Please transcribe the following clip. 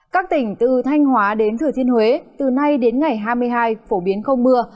các tỉnh từ thanh hóa đến thừa thiên huế từ nay đến ngày hai mươi hai phổ biến không mưa